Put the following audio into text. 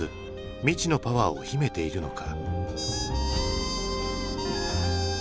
未知のパワーを秘めているのか。